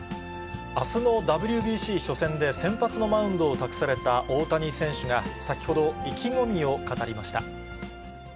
あすのＷＢＣ初戦で、先発のマウンドを託された大谷選手が、先ほど、意気込みを語りました。